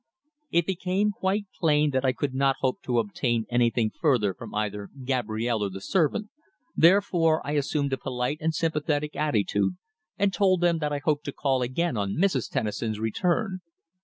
It became quite plain that I could not hope to obtain anything further from either Gabrielle or the servant, therefore I assumed a polite and sympathetic attitude and told them that I hoped to call again on Mrs. Tennison's return.